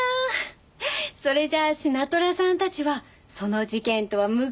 それじゃあシナトラさんたちはその事件とは無関係ですね。